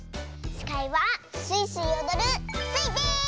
しかいはスイスイおどるスイです！